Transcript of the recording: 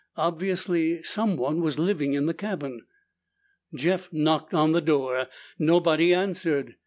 Obviously someone was living in the cabin. Jeff knocked on the door. Nobody answered.